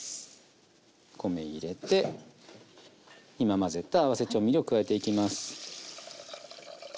米入れて今混ぜた合わせ調味料加えていきます。